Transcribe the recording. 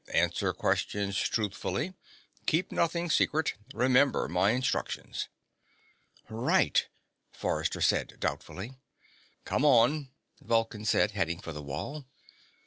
Answer questions truthfully. Keep nothing secret. Remember my instructions." "Right," Forrester said doubtfully. "Come on," Vulcan said, heading for the wall.